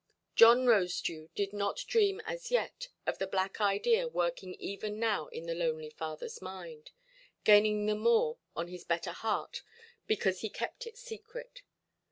John Rosedew did not dream as yet of the black idea working even now in the lonely fatherʼs mind, gaining the more on his better heart because he kept it secret.